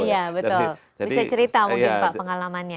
iya betul bisa cerita mungkin pak pengalamannya